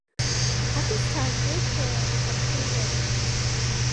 At this time, Eau Claire had three airports.